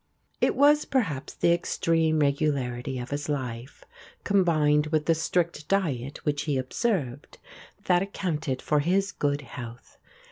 It was, perhaps, the extreme regularity of his life, combined with the strict diet which he observed, that accounted for his good health.